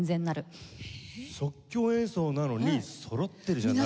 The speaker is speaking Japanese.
即興演奏なのにそろっているじゃないですか。